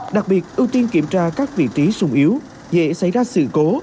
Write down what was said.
đặc biệt ưu tiên kiểm tra các vị trí sung yếu dễ xảy ra sự cố